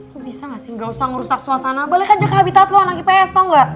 lo bisa gak sih gak usah ngerusak suasana balik aja ke habitat lo anak ips tau gak